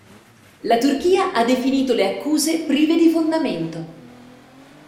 La Turchia ha definito le accuse "prive di fondamento".